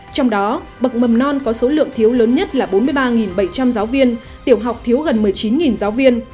trong đó bậc mầm non có số lượng thiếu lớn nhất là bốn mươi ba bảy trăm linh giáo viên tiểu học thiếu gần một mươi chín giáo viên